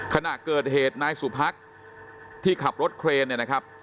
ขณะเกิดเหตุนายสุพักที่ขับรถเครนเนี่ยนะครับ